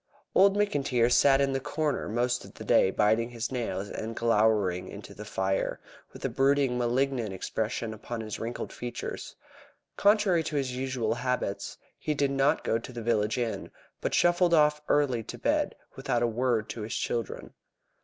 Old McIntyre had sat in the corner most of the day biting his nails and glowering into the fire, with a brooding, malignant expression upon his wrinkled features. Contrary to his usual habits, he did not go to the village inn, but shuffled off early to bed without a word to his children.